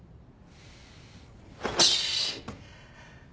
よし！